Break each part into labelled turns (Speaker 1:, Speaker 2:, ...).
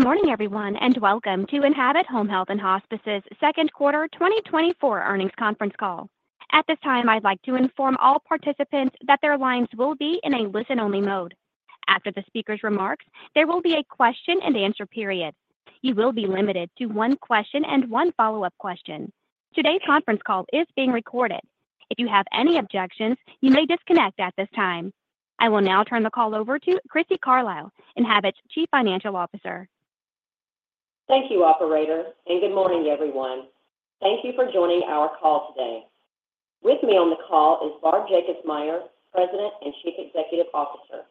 Speaker 1: Good morning, everyone, and welcome to Enhabit Home Health & Hospice's Second Quarter 2024 Earnings Conference Call. At this time, I'd like to inform all participants that their lines will be in a listen-only mode. After the speaker's remarks, there will be a question and answer period. You will be limited to one question and one follow-up question. Today's conference call is being recorded. If you have any objections, you may disconnect at this time. I will now turn the call over to Crissy Carlisle, Enhabit Chief Financial Officer.
Speaker 2: Thank you, operator, and good morning, everyone. Thank you for joining our call today. With me on the call is Barb Jacobsmeyer, President and Chief Executive Officer.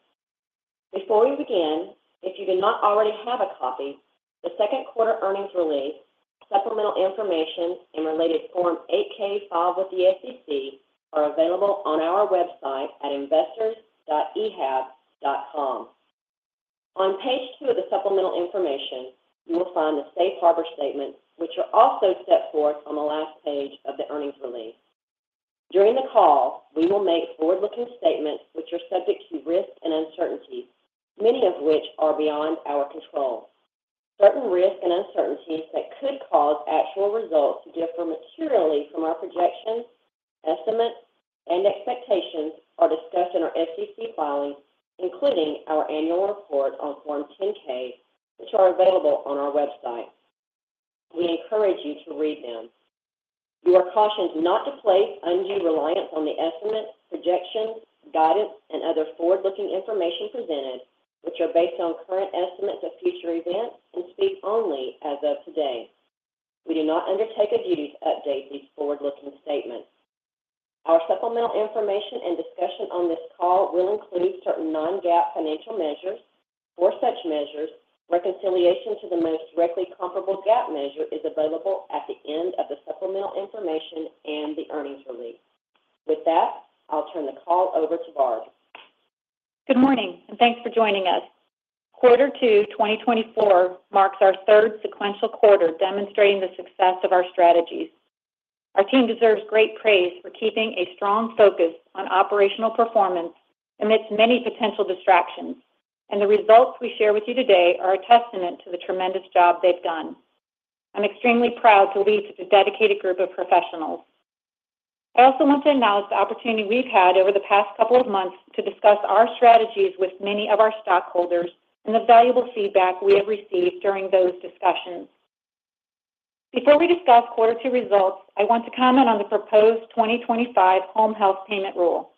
Speaker 2: Before we begin, if you do not already have a copy, the second quarter earnings release, supplemental information, and related Form 8-K filed with the SEC are available on our website at investors.enhabit.com. On page 2 of the supplemental information, you will find the Safe Harbor Statement, which are also set forth on the last page of the earnings release. During the call, we will make forward-looking statements which are subject to risks and uncertainties, many of which are beyond our control. Certain risks and uncertainties that could cause actual results to differ materially from our projections, estimates, and expectations are discussed in our SEC filings, including our annual report on Form 10-K, which are available on our website. We encourage you to read them. You are cautioned not to place undue reliance on the estimates, projections, guidance, and other forward-looking information presented, which are based on current estimates of future events and speak only as of today. We do not undertake a duty to update these forward-looking statements. Our supplemental information and discussion on this call will include certain non-GAAP financial measures. For such measures, reconciliation to the most directly comparable GAAP measure is available at the end of the supplemental information and the earnings release. With that, I'll turn the call over to Barb.
Speaker 3: Good morning, and thanks for joining us. Quarter 2 2024 marks our third sequential quarter, demonstrating the success of our strategies. Our team deserves great praise for keeping a strong focus on operational performance amidst many potential distractions, and the results we share with you today are a testament to the tremendous job they've done. I'm extremely proud to lead such a dedicated group of professionals. I also want to acknowledge the opportunity we've had over the past couple of months to discuss our strategies with many of our stockholders and the valuable feedback we have received during those discussions. Before we discuss quarter 2 results, I want to comment on the proposed 2025 Home Health Payment Rule.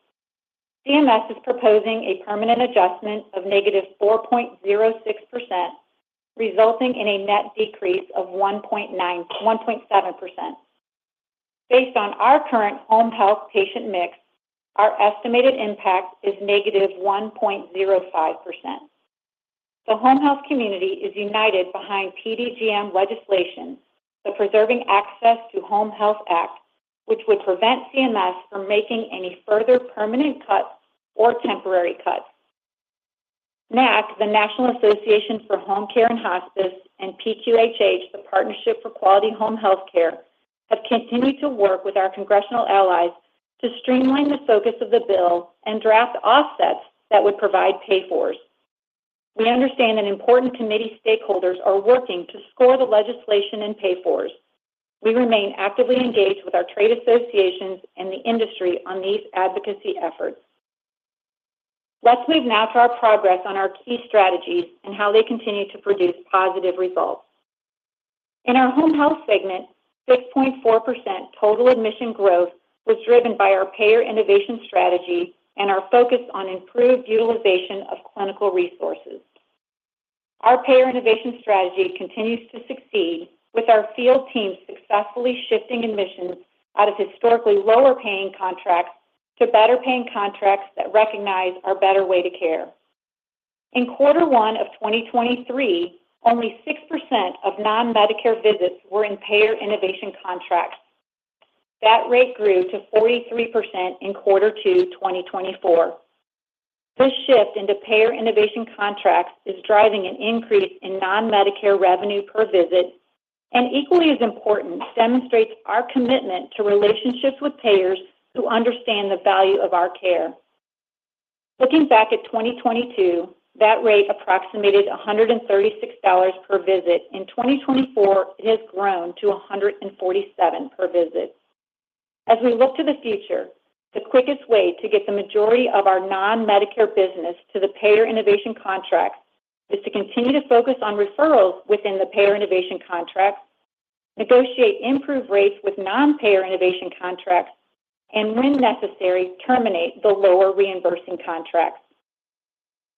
Speaker 3: CMS is proposing a permanent adjustment of negative 4.06%, resulting in a net decrease of 1.9%--1.7%. Based on our current home health patient mix, our estimated impact is negative 1.05%. The home health community is united behind PDGM legislation, the Preserving Access to Home Health Act, which would prevent CMS from making any further permanent cuts or temporary cuts. NAHC, the National Association for Home Care and Hospice, and PQHH, the Partnership for Quality Home Health Care, have continued to work with our congressional allies to streamline the focus of the bill and draft offsets that would provide pay-fors. We understand that important committee stakeholders are working to score the legislation and pay-fors. We remain actively engaged with our trade associations and the industry on these advocacy efforts. Let's move now to our progress on our key strategies and how they continue to produce positive results. In our home health segment, 6.4% total admission growth was driven by our Payer Innovation strategy and our focus on improved utilization of clinical resources. Our Payer Innovation strategy continues to succeed, with our field teams successfully shifting admissions out of historically lower-paying contracts to better-paying contracts that recognize our better way to care. In quarter 1 of 2023, only 6% of non-Medicare visits were in Payer Innovation contracts. That rate grew to 43% in quarter 2, 2024. This shift into Payer Innovation contracts is driving an increase in non-Medicare revenue per visit, and equally as important, demonstrates our commitment to relationships with payers who understand the value of our care. Looking back at 2022, that rate approximated $136 per visit. In 2024, it has grown to $147 per visit. As we look to the future, the quickest way to get the majority of our non-Medicare business to the Payer Innovation contracts, is to continue to focus on referrals within the Payer Innovation contracts, negotiate improved rates with non-Payer Innovation contracts, and when necessary, terminate the lower reimbursing contracts.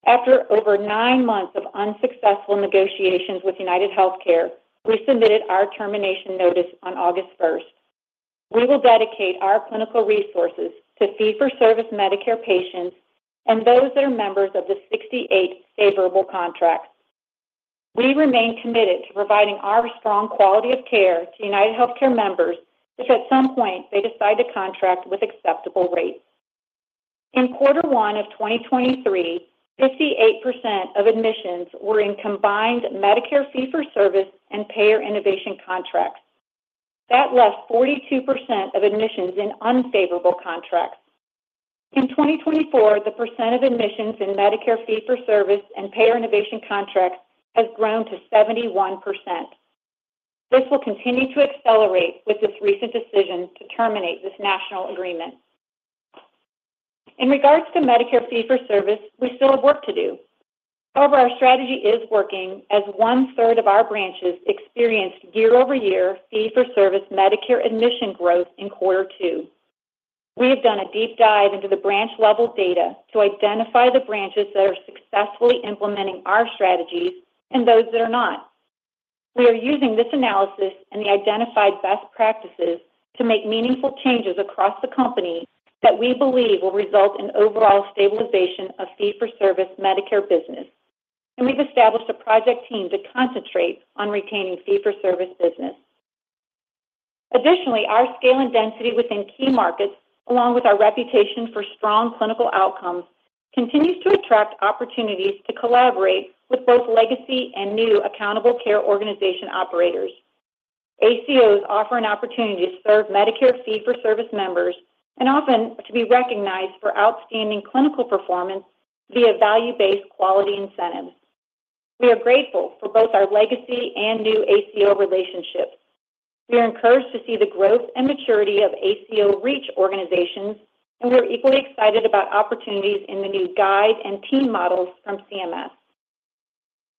Speaker 3: After over 9 months of unsuccessful negotiations with UnitedHealthcare, we submitted our termination notice on August first. We will dedicate our clinical resources to fee-for-service Medicare patients and those that are members of the 68 favorable contracts. We remain committed to providing our strong quality of care to UnitedHealthcare members if at some point they decide to contract with acceptable rates. In quarter one of 2023, 58% of admissions were in combined Medicare fee-for-service and Payer Innovation contracts. That left 42% of admissions in unfavorable contracts. In 2024, the percent of admissions in Medicare fee-for-service and payer innovation contracts has grown to 71%. This will continue to accelerate with this recent decision to terminate this national agreement. In regards to Medicare fee-for-service, we still have work to do. However, our strategy is working, as one-third of our branches experienced year-over-year fee-for-service Medicare admission growth in quarter two. We have done a deep dive into the branch-level data to identify the branches that are successfully implementing our strategies and those that are not. We are using this analysis and the identified best practices to make meaningful changes across the company that we believe will result in overall stabilization of fee-for-service Medicare business, and we've established a project team to concentrate on retaining fee-for-service business. Additionally, our scale and density within key markets, along with our reputation for strong clinical outcomes, continues to attract opportunities to collaborate with both legacy and new accountable care organization operators. ACOs offer an opportunity to serve Medicare fee-for-service members and often to be recognized for outstanding clinical performance via value-based quality incentives. We are grateful for both our legacy and new ACO relationships. We are encouraged to see the growth and maturity of ACO REACH organizations, and we are equally excited about opportunities in the new GUIDE and TEAM models from CMS.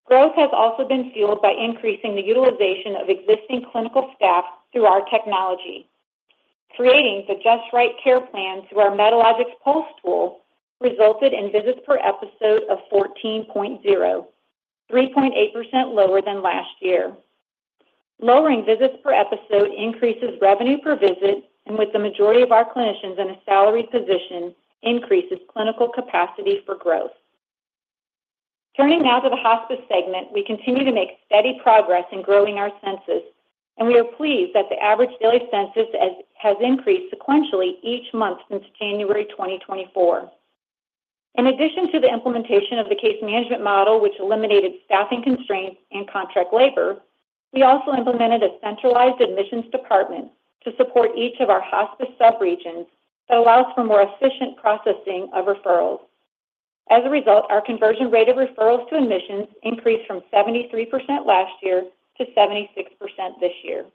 Speaker 3: Growth has also been fueled by increasing the utilization of existing clinical staff through our technology. Creating the Just Right Care Plan through our Medalogix Pulse tool resulted in visits per episode of 14.0, 3.8% lower than last year. Lowering visits per episode increases revenue per visit, and with the majority of our clinicians in a salaried position, increases clinical capacity for growth. Turning now to the hospice segment, we continue to make steady progress in growing our census, and we are pleased that the average daily census has increased sequentially each month since January 2024. In addition to the implementation of the case management model, which eliminated staffing constraints and contract labor, we also implemented a centralized admissions department to support each of our hospice sub-regions that allows for more efficient processing of referrals. As a result, our conversion rate of referrals to admissions increased from 73% last year to 76% this year.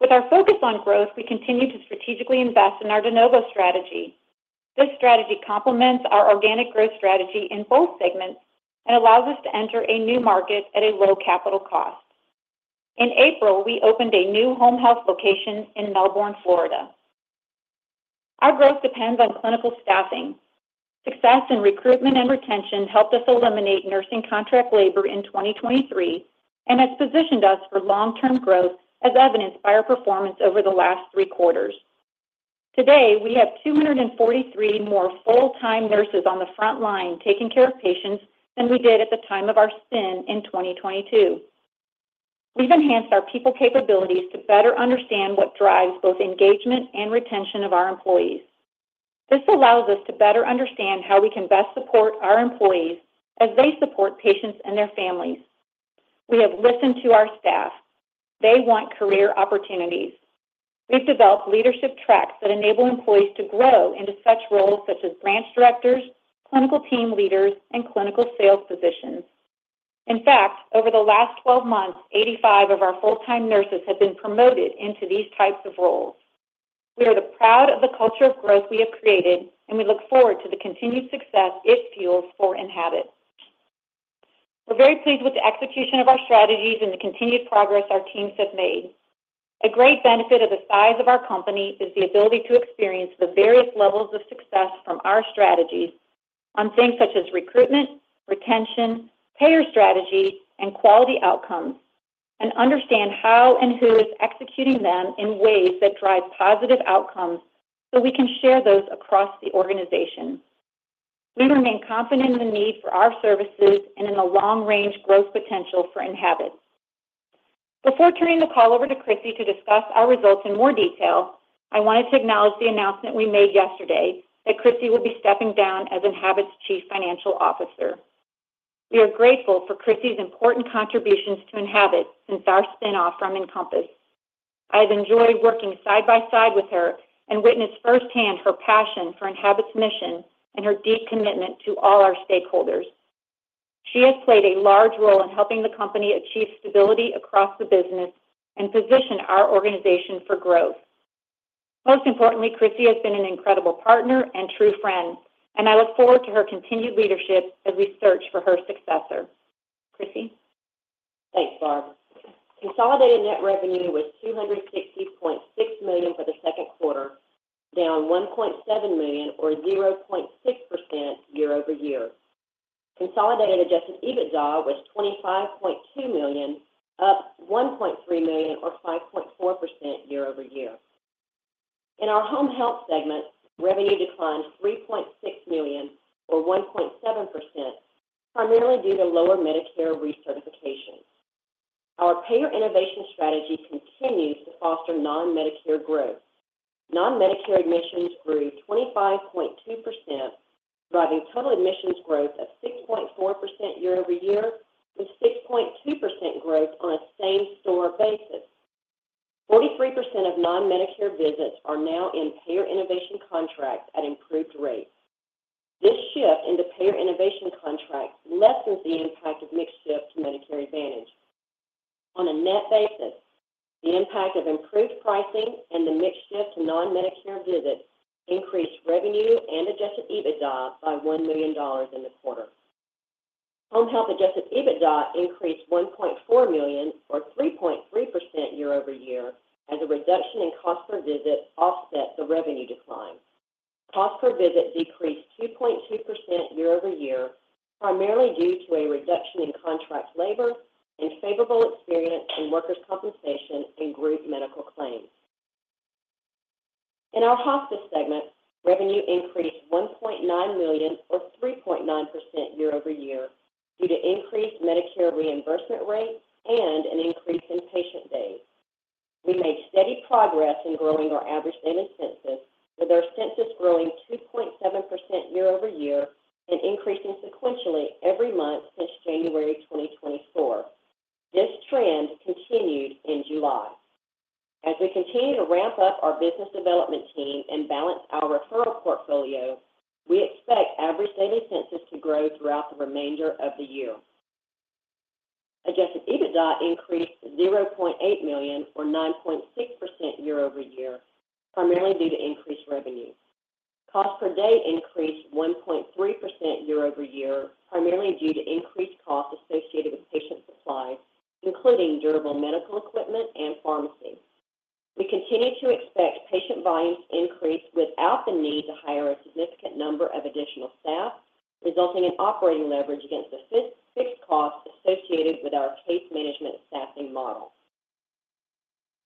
Speaker 3: With our focus on growth, we continue to strategically invest in our de novo strategy. This strategy complements our organic growth strategy in both segments and allows us to enter a new market at a low capital cost. In April, we opened a new home health location in Melbourne, Florida. Our growth depends on clinical staffing. Success in recruitment and retention helped us eliminate nursing contract labor in 2023 and has positioned us for long-term growth, as evidenced by our performance over the last three quarters. Today, we have 243 more full-time nurses on the front line taking care of patients than we did at the time of our spin in 2022. We've enhanced our people capabilities to better understand what drives both engagement and retention of our employees. This allows us to better understand how we can best support our employees as they support patients and their families. We have listened to our staff. They want career opportunities. We've developed leadership tracks that enable employees to grow into such roles such as branch directors, clinical team leaders, and clinical sales positions. In fact, over the last 12 months, 85 of our full-time nurses have been promoted into these types of roles. We are proud of the culture of growth we have created, and we look forward to the continued success it fuels for Enhabit. We're very pleased with the execution of our strategies and the continued progress our teams have made. A great benefit of the size of our company is the ability to experience the various levels of success from our strategies on things such as recruitment, retention, payer strategy, and quality outcomes, and understand how and who is executing them in ways that drive positive outcomes, so we can share those across the organization. We remain confident in the need for our services and in the long-range growth potential for Enhabit. Before turning the call over to Crissy to discuss our results in more detail, I wanted to acknowledge the announcement we made yesterday that Crissy will be stepping down as Enhabit Chief Financial Officer. We are grateful for Crissy's important contributions to Enhabit since our spin-off from Encompass. I have enjoyed working side by side with her and witnessed firsthand her passion for Enhabit mission and her deep commitment to all our stakeholders. She has played a large role in helping the company achieve stability across the business and position our organization for growth. Most importantly, Crissy has been an incredible partner and true friend, and I look forward to her continued leadership as we search for her successor. Crissy?
Speaker 2: Thanks, Barb. Consolidated net revenue was $260.6 million for the second quarter, down $1.7 million, or 0.6% year-over-year. Consolidated adjusted EBITDA was $25.2 million, up $1.3 million or 5.4% year-over-year. In our home health segment, revenue declined $3.6 million, or 1.7%, primarily due to lower Medicare recertifications. Our payer innovation strategy continues to foster non-Medicare growth. Non-Medicare admissions grew 25.2%, driving total admissions growth of 6.4% year-over-year, with 6.2% growth on a same-store basis. 43% of non-Medicare visits are now in payer innovation contracts at improved rates. This shift in the payer innovation contract lessens the impact of mixed shift to Medicare Advantage. On a net basis, the impact of improved pricing and the mixed shift to non-Medicare visits increased revenue and adjusted EBITDA by $1 million in the quarter. Home Health adjusted EBITDA increased $1.4 million, or 3.3% year-over-year, as a reduction in cost per visit offset the revenue decline. Cost per visit decreased 2.2% year-over-year, primarily due to a reduction in contract labor and favorable experience in workers' compensation and group medical claims. In our hospice segment, revenue increased $1.9 million or 3.9% year-over-year, due to increased Medicare reimbursement rates and an increase in patient days. We made steady progress in growing our average daily census, with our census growing 2.7% year-over-year and increasing sequentially every month since January 2024. This trend continued in July. As we continue to ramp up our business development team and balance our referral portfolio, we expect average daily census to grow throughout the remainder of the year. Adjusted EBITDA increased $0.8 million or 9.6% year-over-year, primarily due to increased revenues. Cost per day increased 1.3% year-over-year, primarily due to increased costs associated with patient supplies, including durable medical equipment and pharmacy. We continue to expect patient volumes to increase without the need to hire a significant number of additional staff, resulting in operating leverage against the fixed costs associated with our case management staffing model.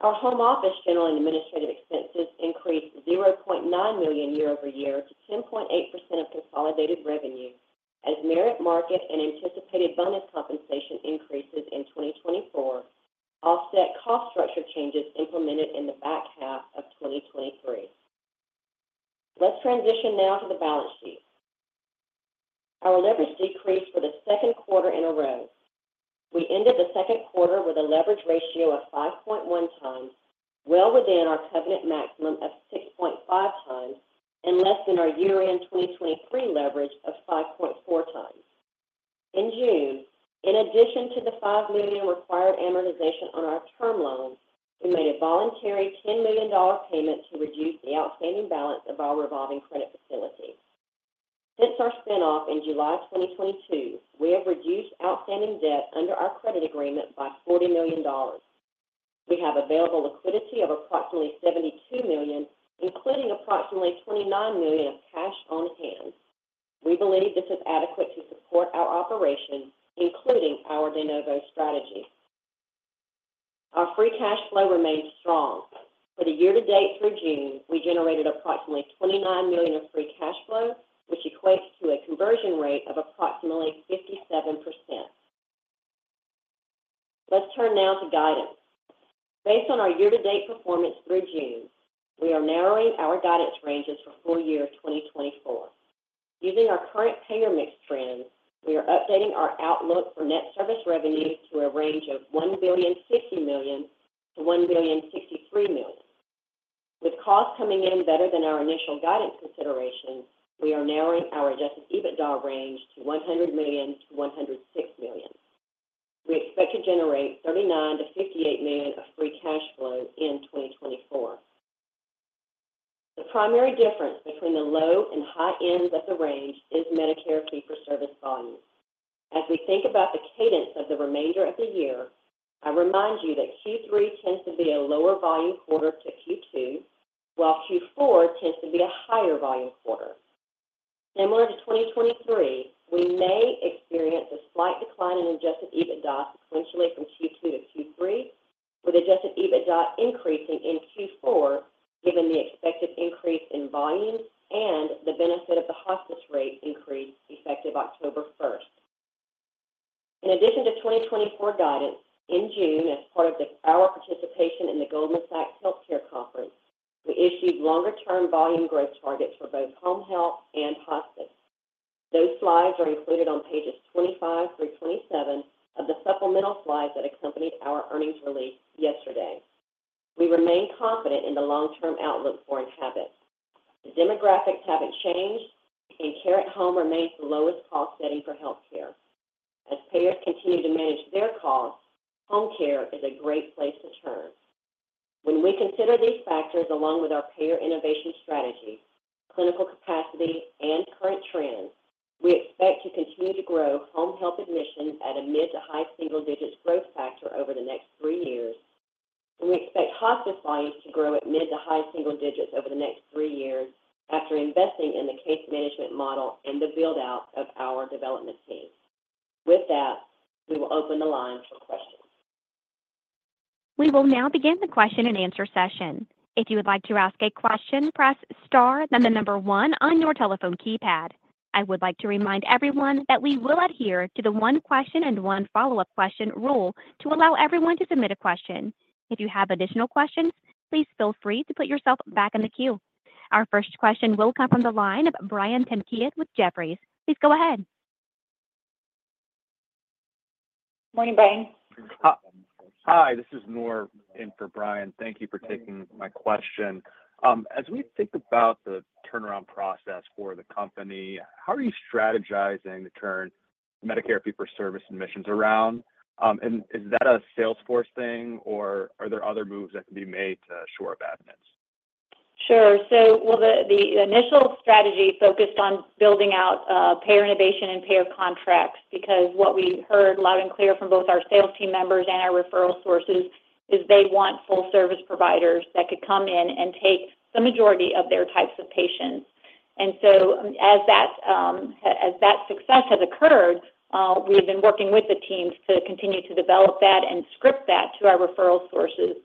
Speaker 2: Our home office general and administrative expenses increased $0.9 million year-over-year to 10.8% of consolidated revenue, as merit, market, and anticipated bonus compensation increases in 2024 offset cost structure changes implemented in the back half of 2023. Let's transition now to the balance sheet. Our leverage decreased for the second quarter in a row. We ended the second quarter with a leverage ratio of 5.1 times, well within our covenant maximum of 6.5 times, and less than our year-end 2023 leverage of 5.4 times. In June, in addition to the $5 million required amortization on our term loan, we made a voluntary $10 million payment to reduce the outstanding balance of our revolving credit facility. Since our spin-off in July of 2022, we have reduced outstanding debt under our credit agreement by $40 million. We have available liquidity of approximately $72 million, including approximately $29 million of cash on hand. We believe this is adequate to support our operations, including our de novo strategy. Our free cash flow remains strong. For the year-to-date through June, we generated approximately $29 million of free cash flow, which equates to a conversion rate of approximately 57%. Let's turn now to guidance. Based on our year-to-date performance through June, we are narrowing our guidance ranges for full year 2024. Using our current payer mix trends, we are updating our outlook for net service revenue to a range of $1.06 billion-$1.063 billion. With costs coming in better than our initial guidance considerations, we are narrowing our Adjusted EBITDA range to $100 million-$106 million. We expect to generate $39 million-$58 million of free cash flow in 2024. The primary difference between the low and high ends of the range is Medicare fee-for-service volume. As we think about the cadence of the remainder of the year, I remind you that Q3 tends to be a lower volume quarter to Q2, while Q4 tends to be a higher volume quarter. Similar to 2023, we may experience a slight decline in Adjusted EBITDA sequentially from Q2 to Q3, with Adjusted EBITDA increasing in Q4, given the expected increase in volume and the benefit of the hospice rate increase effective October first. In addition to 2024 guidance, in June, as part of our participation in the Goldman Sachs Health Care Conference, we issued longer-term volume growth targets for both home health and hospice. Those slides are included on pages 25 through 27 of the supplemental slides that accompanied our earnings release yesterday. We remain confident in the long-term outlook for Enhabit. The demographics haven't changed, and care at home remains the lowest cost setting for healthcare. As payers continue to manage their costs, home care is a great place to turn. When we consider these factors, along with our payer innovation strategy, clinical capacity, and current trends, we expect to continue to grow home health admissions at a mid to high single digits growth factor over the next three years. We expect hospice volumes to grow at mid to high single digits over the next three years after investing in the case management model and the build-out of our development team. With that, we will open the line for questions.
Speaker 1: We will now begin the question-and-answer session. If you would like to ask a question, press star, then the number one on your telephone keypad. I would like to remind everyone that we will adhere to the one question and one follow-up question rule to allow everyone to submit a question. If you have additional questions, please feel free to put yourself back in the queue. Our first question will come from the line of Brian Tanquilut with Jefferies. Please go ahead.
Speaker 3: Morning, Brian.
Speaker 4: Hi, hi, this is Noor in for Brian. Thank you for taking my question. As we think about the turnaround process for the company, how are you strategizing to turn Medicare fee-for-service admissions around? And is that a sales force thing, or are there other moves that can be made to shore up admits?
Speaker 3: Sure. So, well, the initial strategy focused on building out payer innovation and payer contracts, because what we heard loud and clear from both our sales team members and our referral sources is they want full-service providers that could come in and take the majority of their types of patients. And so, as that success has occurred, we've been working with the teams to continue to develop that and script that to our referral sources.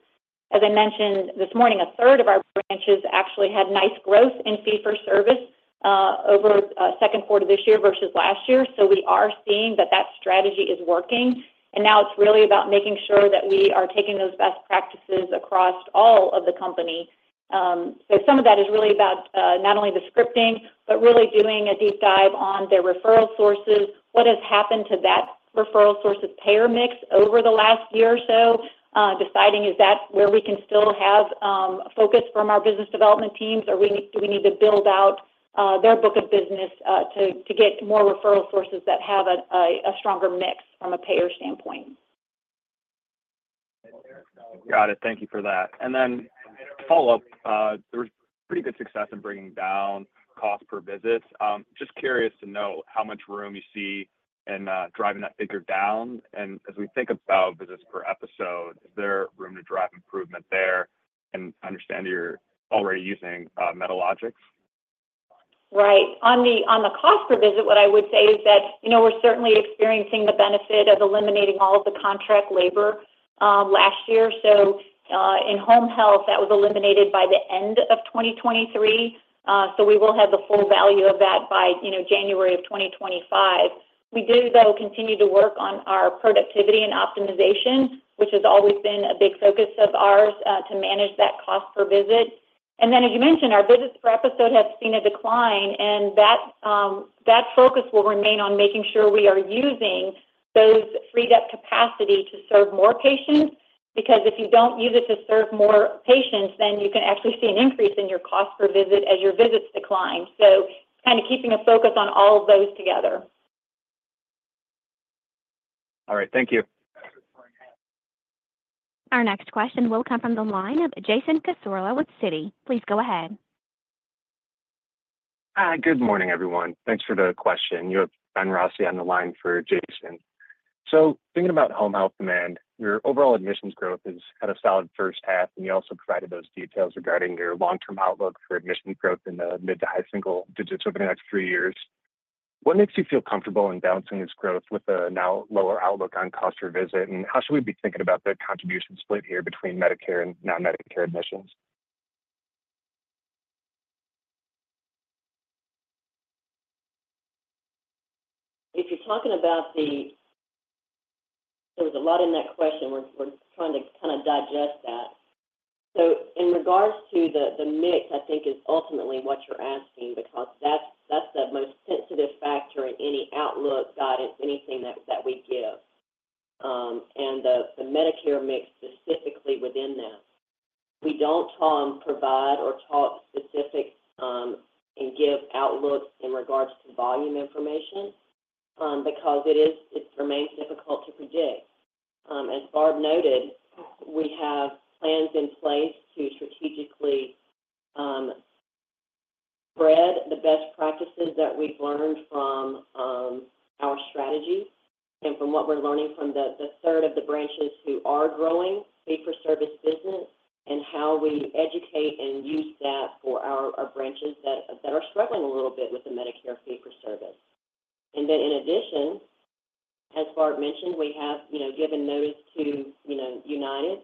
Speaker 3: As I mentioned this morning, a third of our branches actually had nice growth in Fee-for-Service over second quarter this year versus last year. So we are seeing that that strategy is working, and now it's really about making sure that we are taking those best practices across all of the company. So some of that is really about not only the scripting, but really doing a deep dive on their referral sources. What has happened to that referral source's payer mix over the last year or so? Deciding is that where we can still have focus from our business development teams, or do we need to build out their book of business to get more referral sources that have a stronger mix from a payer standpoint?
Speaker 4: Got it. Thank you for that. And then follow up, there was pretty good success in bringing down cost per visit. Just curious to know how much room you see in, driving that figure down. And as we think about visits per episode, is there room to drive improvement there? And I understand you're already using Medalogix.
Speaker 3: Right. On the cost per visit, what I would say is that, you know, we're certainly experiencing the benefit of eliminating all of the contract labor last year. So, in home health, that was eliminated by the end of 2023, so we will have the full value of that by, you know, January of 2025. We do, though, continue to work on our productivity and optimization, which has always been a big focus of ours, to manage that cost per visit. And then, as you mentioned, our visits per episode have seen a decline, and that focus will remain on making sure we are using those freed-up capacity to serve more patients. Because if you don't use it to serve more patients, then you can actually see an increase in your cost per visit as your visits decline. So kind of keeping a focus on all of those together.
Speaker 4: All right, thank you.
Speaker 1: Our next question will come from the line of Jason Cassorla with Citi. Please go ahead.
Speaker 5: Good morning, everyone. Thanks for the question. You have Ben Rossi on the line for Jason. So thinking about home health demand, your overall admissions growth is had a solid first half, and you also provided those details regarding your long-term outlook for admission growth in the mid to high single digits over the next three years. What makes you feel comfortable in balancing this growth with the now lower outlook on cost per visit, and how should we be thinking about the contribution split here between Medicare and non-Medicare admissions?
Speaker 2: If you're talking about the, there was a lot in that question. We're trying to kinda digest that. So in regards to the mix, I think is ultimately what you're asking because that's the most sensitive factor in any outlook, guidance, anything that we give, and the Medicare mix specifically within that. We don't provide or talk specifics and give outlooks in regards to volume information because it is—it remains difficult to predict. As Barb noted, we have plans in place to strategically spread the best practices that we've learned from our strategies and from what we're learning from the third of the branches who are growing fee-for-service business and how we educate and use that for our branches that are struggling a little bit with the Medicare fee-for-service. Then, in addition, as Barb mentioned, we have, you know, given notice to, you know, United,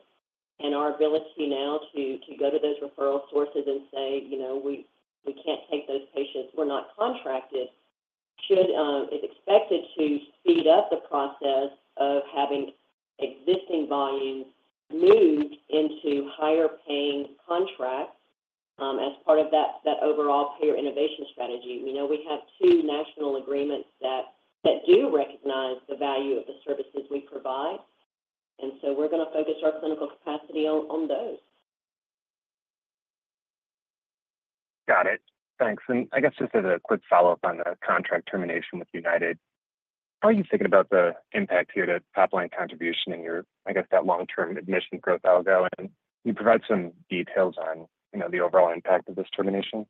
Speaker 2: and our ability now to go to those referral sources and say: You know, we can't take those patients, we're not contracted. So, it's expected to speed up the process of having existing volumes moved into higher-paying contracts, as part of that overall Payer Innovation strategy. We know we have two national agreements that do recognize the value of the services we provide, and so we're gonna focus our clinical capacity on those.
Speaker 5: Got it. Thanks. And I guess just as a quick follow-up on the contract termination with United, how are you thinking about the impact here to top-line contribution and your, I guess, that long-term admission growth outlook? And can you provide some details on, you know, the overall impact of this termination?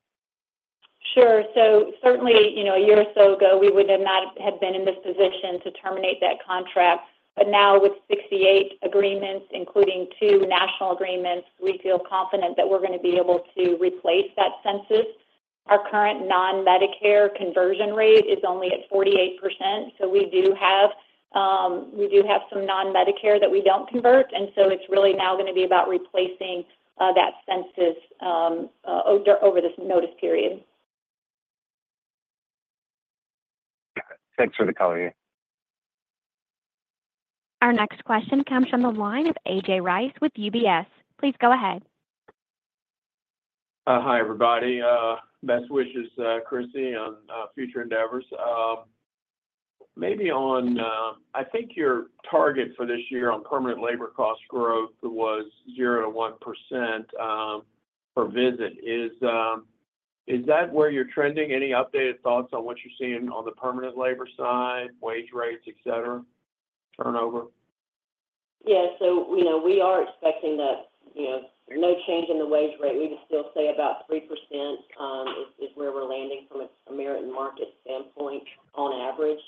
Speaker 5: Sure. So certainly, you know, a year or so ago, we would have not have been in this position to terminate that contract, but now with 68 agreements, including two national agreements, we feel confident that we're gonna be able to replace that census. Our current non-Medicare conversion rate is only at 48%, so we do have, we do have some non-Medicare that we don't convert, and so it's really now gonna be about replacing that census over this notice period. Got it. Thanks for the color here.
Speaker 1: Our next question comes from the line of A.J. Rice with UBS. Please go ahead.
Speaker 6: Hi, everybody. Best wishes, Crissy, on future endeavors. Maybe on, I think your target for this year on permanent labor cost growth was 0%-1%, per visit. Is that where you're trending? Any updated thoughts on what you're seeing on the permanent labor side, wage rates, et cetera, turnover?
Speaker 2: Yeah. So, you know, we are expecting that, you know, no change in the wage rate. We would still say about 3% is where we're landing from a merit and market standpoint on average.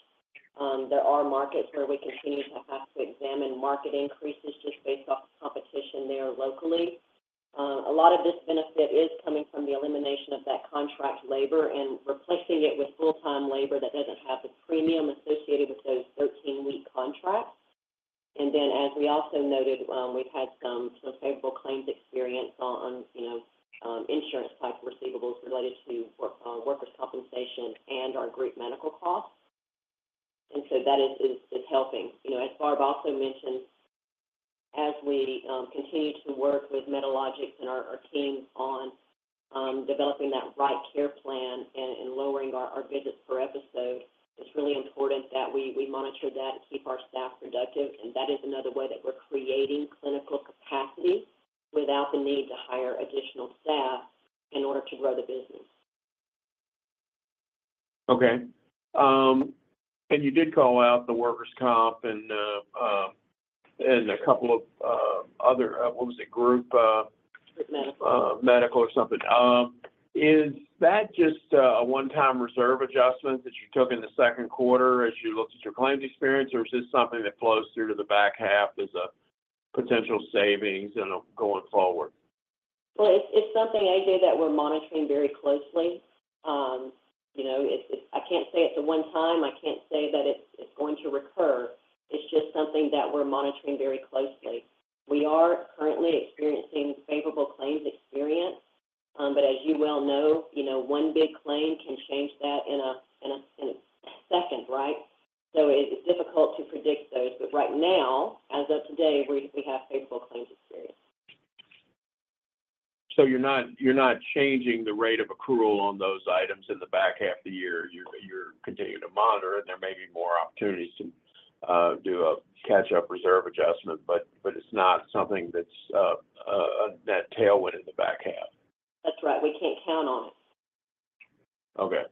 Speaker 2: There are markets where we continue to have to examine market increases just based off the competition there locally. A lot of this benefit is coming from the elimination of that contract labor and replacing it with full-time labor that doesn't have the premium associated with those 13-week contracts. And then, as we also noted, we've had some favorable claims experience on, you know, insurance-type receivables related to work, workers' compensation and our group medical costs. And so that is helping. You know, as Barb also mentioned, as we continue to work with Medalogix and our team on developing that right care plan and lowering our visits per episode, it's really important that we monitor that and keep our staff productive. And that is another way that we're creating clinical capacity without the need to hire additional staff in order to grow the business.
Speaker 6: Okay. And you did call out the workers' comp and a couple of other what was it?
Speaker 2: Group medical.
Speaker 6: Medical or something. Is that just a one-time reserve adjustment that you took in the second quarter as you looked at your claims experience, or is this something that flows through to the back half as a potential savings and going forward?
Speaker 2: Well, it's something, A.J., that we're monitoring very closely. You know, it's – I can't say it's a one time. I can't say that it's going to recur. It's just something that we're monitoring very closely. We are currently experiencing favorable claims experience. But as you well know, you know, one big claim can change that in a second, right? So it's difficult to predict those. But right now, as of today, we have favorable claims experience.
Speaker 6: So you're not changing the rate of accrual on those items in the back half of the year. You're continuing to monitor, and there may be more opportunities to do a catch-up reserve adjustment, but it's not something that's net tailwind in the back half?
Speaker 2: That's right. We can't count on it.
Speaker 6: Okay.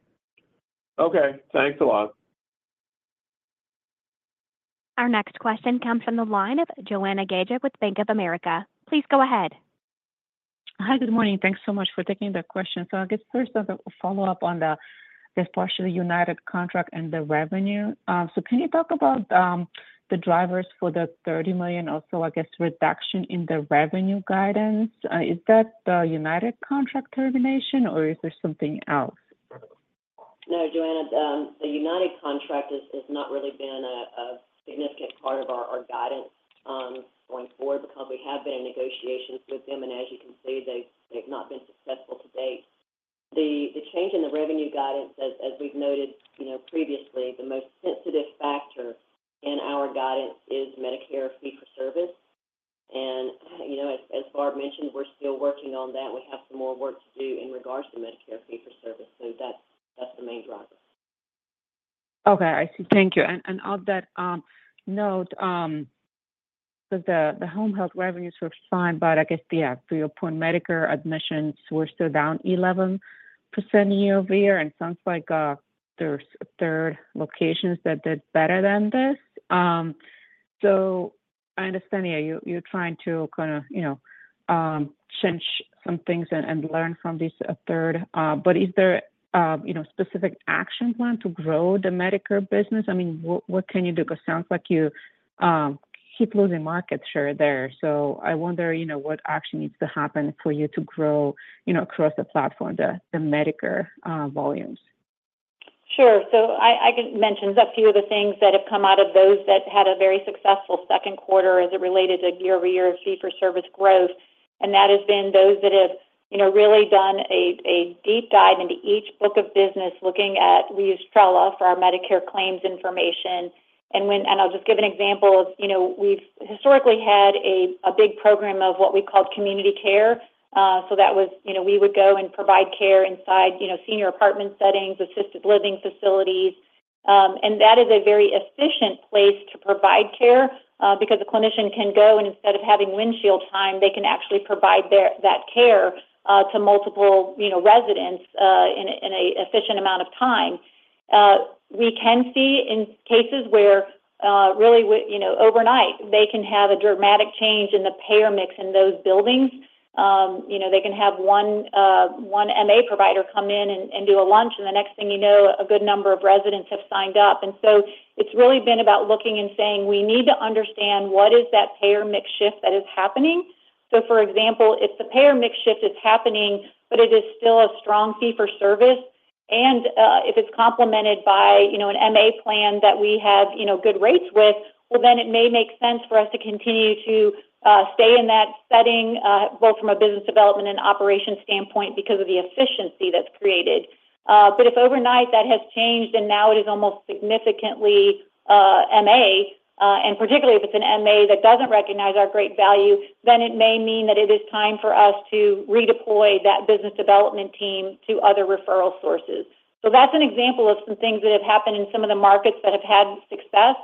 Speaker 6: Okay, thanks a lot.
Speaker 1: Our next question comes from the line of Joanna Gajuk with Bank of America. Please go ahead.
Speaker 7: Hi, good morning. Thanks so much for taking the question. So I guess first as a follow-up on the, this partially United contract and the revenue. So can you talk about the drivers for the $30 million or so, I guess, reduction in the revenue guidance? Is that the United contract termination, or is there something else?
Speaker 2: No, Joanna, the United contract has not really been a significant part of our guidance, going forward because we have been in negotiations with them, and as you can see, they've not been successful to date. The change in the revenue guidance, as we've noted, you know, previously, the most sensitive factor in our guidance is Medicare fee-for-service. And, you know, as Barb mentioned, we're still working on that. We have some more work to do in regards to Medicare fee-for-service, so that's the main driver.
Speaker 7: Okay, I see. Thank you. On that note, so the home health revenues were fine, but I guess, yeah, to your point, Medicare admissions were still down 11% year-over-year, and it sounds like there's third locations that did better than this. So I understand, yeah, you're trying to kinda, you know, change some things and learn from this a third, but is there, you know, specific action plan to grow the Medicare business? I mean, what can you do? Because it sounds like you keep losing market share there. So I wonder, you know, what action needs to happen for you to grow, you know, across the platform, the Medicare volumes.
Speaker 3: Sure. So I can mention a few of the things that have come out of those that had a very successful second quarter as it related to year-over-year fee-for-service growth, and that has been those that have, you know, really done a deep dive into each book of business, looking at, we use Trella for our Medicare claims information. And I'll just give an example of, you know, we've historically had a big program of what we called community care. So that was, you know, we would go and provide care inside, you know, senior apartment settings, assisted living facilities. And that is a very efficient place to provide care, because a clinician can go, and instead of having windshield time, they can actually provide that care to multiple, you know, residents in an efficient amount of time. We can see in cases where, really, you know, overnight, they can have a dramatic change in the payer mix in those buildings. You know, they can have one MA provider come in and do a lunch, and the next thing you know, a good number of residents have signed up. And so it's really been about looking and saying: We need to understand what is that payer mix shift that is happening. For example, if the payer mix shift is happening, but it is still a strong fee for service, and if it's complemented by, you know, an MA plan that we have, you know, good rates with, well, then it may make sense for us to continue to stay in that setting, both from a business development and operations standpoint, because of the efficiency that's created.
Speaker 2: But if overnight that has changed and now it is almost significantly, MA, and particularly if it's an MA that doesn't recognize our great value, then it may mean that it is time for us to redeploy that business development team to other referral sources. So that's an example of some things that have happened in some of the markets that have had success,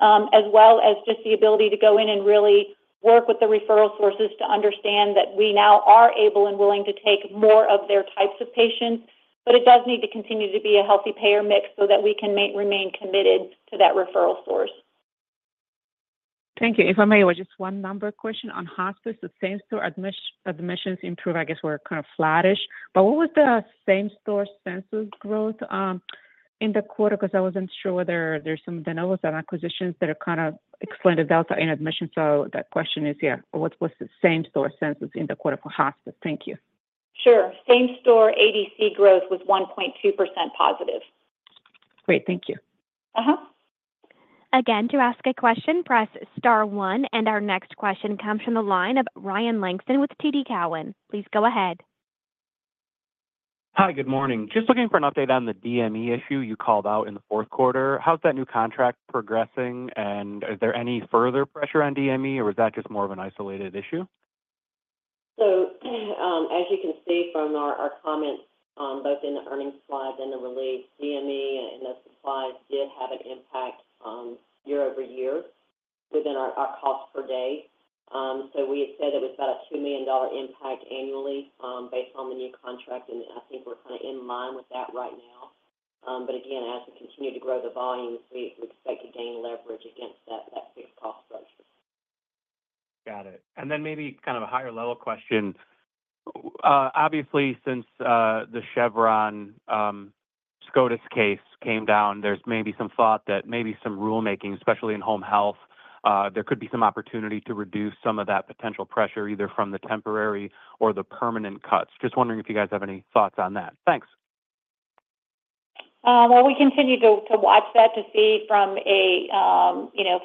Speaker 2: as well as just the ability to go in and really work with the referral sources to understand that we now are able and willing to take more of their types of patients. But it does need to continue to be a healthy payer mix so that we can remain committed to that referral source.
Speaker 7: Thank you. If I may, with just one number question on hospice, the same-store admissions, I guess, were kind of flattish, but what was the same-store census growth in the quarter? Because I wasn't sure whether there's some de novos and acquisitions that are kinda explain the delta in admission. So that question is, yeah, what's the same-store census in the quarter for hospice? Thank you.
Speaker 2: Sure. Same-store ADC growth was 1.2% positive.
Speaker 7: Great. Thank you.
Speaker 2: Uh-huh.
Speaker 1: Again, to ask a question, press star one, and our next question comes from the line of Ryan Langston with TD Cowen. Please go ahead.
Speaker 8: Hi, good morning. Just looking for an update on the DME issue you called out in the fourth quarter. How's that new contract progressing, and is there any further pressure on DME, or is that just more of an isolated issue?
Speaker 2: So, as you can see from our comments, both in the earnings slide and the release, DME and the supplies did have an impact, year-over-year within our cost per day. So we had said it was about a $2 million impact annually, based on the new contract, and I think we're kinda in line with that right now. But again, as we continue to grow the volumes, we expect to gain leverage against that fixed cost structure.
Speaker 8: Got it. And then maybe kind of a higher level question. Obviously, since the Chevron SCOTUS case came down, there's maybe some thought that maybe some rulemaking, especially in home health, there could be some opportunity to reduce some of that potential pressure, either from the temporary or the permanent cuts. Just wondering if you guys have any thoughts on that? Thanks.
Speaker 2: Well, we continue to watch that, to see from a, you know,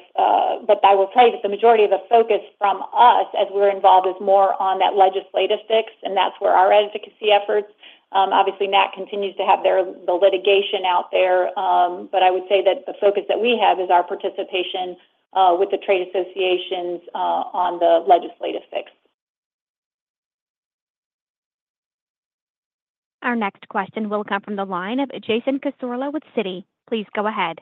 Speaker 2: but I will tell you that the majority of the focus from us as we're involved is more on that legislative fix, and that's where our advocacy efforts. Obviously, NAHC continues to have their, the litigation out there, but I would say that the focus that we have is our participation with the trade associations on the legislative fix.
Speaker 1: Our next question will come from the line of Jason Cassorla with Citi. Please go ahead.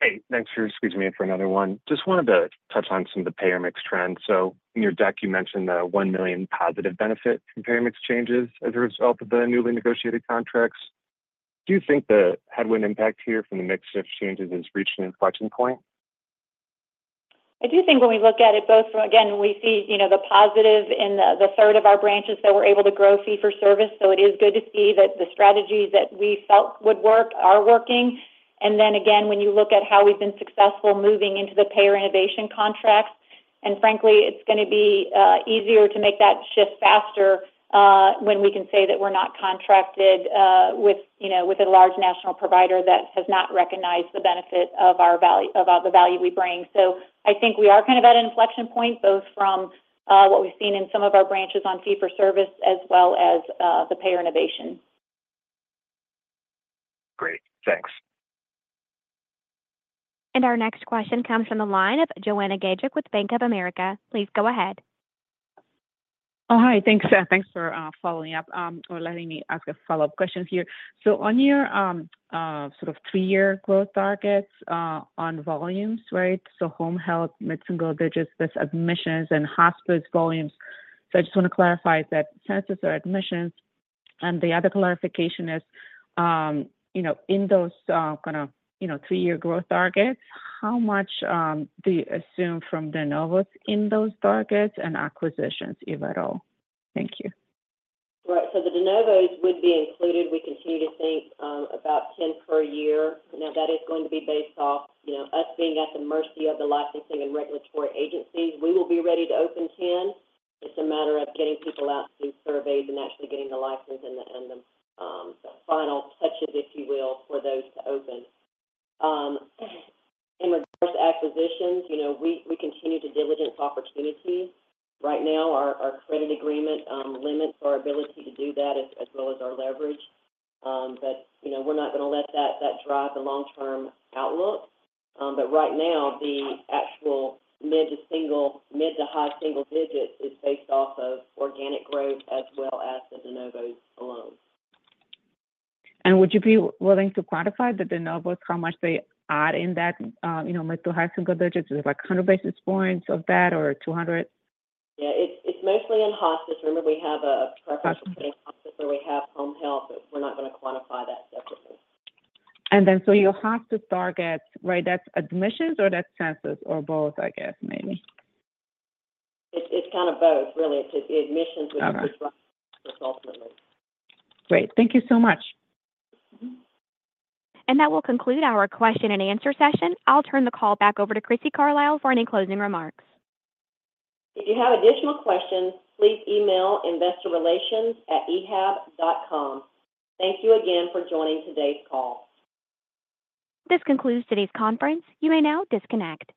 Speaker 9: Hey, thanks for squeezing me in for another one. Just wanted to touch on some of the payer mix trends. So in your deck, you mentioned the $1 million positive benefit from payer mix changes as a result of the newly negotiated contracts. Do you think the headwind impact here from the mix shift changes has reached an inflection point?
Speaker 2: I do think when we look at it, both from, again, we see, you know, the positive in the third of our branches that we're able to grow fee-for-service, so it is good to see that the strategies that we felt would work are working. And then again, when you look at how we've been successful moving into the Payer Innovation contracts, and frankly, it's gonna be easier to make that shift faster, when we can say that we're not contracted with, you know, with a large national provider that has not recognized the benefit of our value, of the value we bring. So I think we are kind of at an inflection point, both from what we've seen in some of our branches on fee-for-service as well as the Payer Innovation.
Speaker 9: Great. Thanks.
Speaker 1: Our next question comes from the line of Joanna Gajuk with Bank of America. Please go ahead.
Speaker 7: Oh, hi. Thanks, thanks for following up, or letting me ask a follow-up question here. So on your sort of three-year growth targets, on volumes, right? So home health, mid-single digits, this admissions and hospice volumes. So I just want to clarify that census or admissions, and the other clarification is, you know, in those kind of, you know, three-year growth targets, how much do you assume from de novos in those targets and acquisitions, if at all? Thank you.
Speaker 2: Right. So the de novos would be included. We continue to think about 10 per year. Now, that is going to be based off, you know, us being at the mercy of the licensing and regulatory agencies. We will be ready to open 10. It's a matter of getting people out to do surveys and actually getting the license and the final touches, if you will, for those to open. In regards to acquisitions, you know, we, we continue to diligence opportunities. Right now, our, our credit agreement limits our ability to do that as, as well as our leverage. But, you know, we're not gonna let that, that drive the long-term outlook. But right now, the actual mid to single, mid to high single digits is based off of organic growth as well as the de novos alone.
Speaker 7: Would you be willing to quantify the de novos, how much they add in that, you know, mid to high single digits? Is it, like, 100 basis points of that or 200?
Speaker 2: Yeah. It's mostly in hospice. Remember, we have a preference-
Speaker 7: Gotcha
Speaker 2: in hospice, so we have home health, but we're not gonna quantify that separately.
Speaker 7: Your hospice targets, right? That's admissions or that's census or both, I guess, maybe?
Speaker 2: It's kind of both, really. It's the admissions-
Speaker 7: Okay
Speaker 2: -which is ultimately.
Speaker 7: Great. Thank you so much.
Speaker 2: Mm-hmm.
Speaker 1: That will conclude our question and answer session. I'll turn the call back over to Crissy Carlisle for any closing remarks.
Speaker 2: If you have additional questions, please email InvestorRelations@enhabit.com. Thank you again for joining today's call.
Speaker 1: This concludes today's conference. You may now disconnect.